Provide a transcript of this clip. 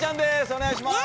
お願いします。